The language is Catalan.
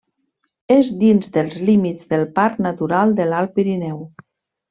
És dins dels límits del Parc Natural de l'Alt Pirineu.